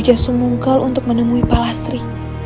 jasungungkal untuk menemui palastri